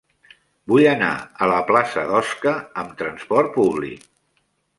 Vull anar a la plaça d'Osca amb trasport públic.